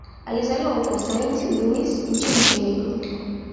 Alizaliwa huko Saint-Louis nchini Senegal.